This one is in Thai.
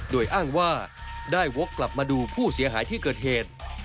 โดยอ้างว่าได้วกกลับมาดูผู้เสียหายที่เกิดเหตุ